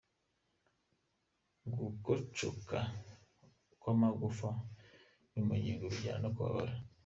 Gukocoka kw’amagufa yo mu ngingo bijyana no kubabara.